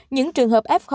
những trường hợp f